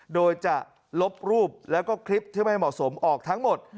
โดยจะลบรูปแล้วก็คลิปที่ไม่เหมาะสมออกทั้งหมด